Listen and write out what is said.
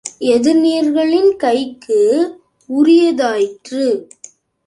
எதினியர்களின் கைக்கு உரியதாயிற்று.